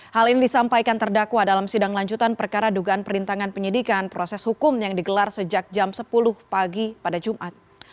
hal ini disampaikan terdakwa dalam sidang lanjutan perkara dugaan perintangan penyidikan proses hukum yang digelar sejak jam sepuluh pagi pada jumat